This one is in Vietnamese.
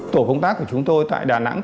tổ công tác của chúng tôi tại đà nẵng